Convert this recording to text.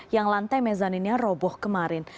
yang lantai mezaninnya roboh kemarin